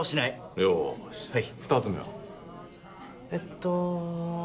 よし２つ目は？えっと。